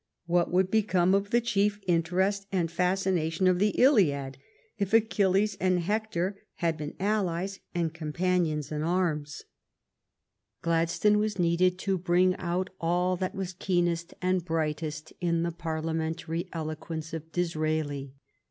What would become of the chief interest and fas cination of the Iliad if Achilles and Hector had been allies and companions in arms f^ Gladstone was needed to bring out all that was keenest and brightest in the Parliamentary eloquence of Disraeli.